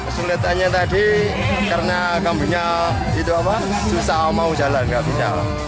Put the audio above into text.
kesulitannya tadi karena kambingnya susah mau jalan gak bisa